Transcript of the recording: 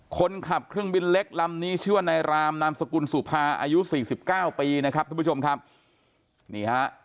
คนขับเครื่องบินเล็กลำนี้ชื่อว่านายรามนามสกุลสุภาอายุ๔๙ปี